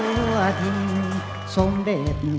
สมเด็จมึงปล่อยสมเด็จมึงปล่อย